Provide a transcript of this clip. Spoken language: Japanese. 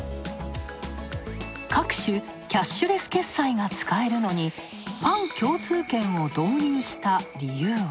各種キャッシュレス決済が使えるのに、パン共通券を導入した理由は。